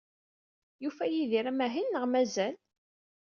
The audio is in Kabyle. Yufa Yidir amahil neɣ mazal?